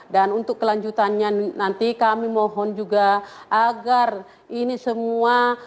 dan untuk kelanjutannya nanti kami mohon juga agar ini semua